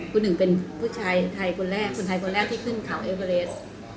คุณหนึ่งเป็นผู้ชายไทยคนแรกคนไทยคนแรกที่ขึ้นเขาเอเวอเลส